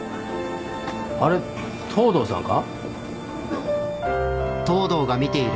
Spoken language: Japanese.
あれ東堂さんか？